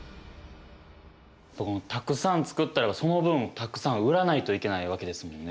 たくさん作ったらその分たくさん売らないといけないわけですもんね。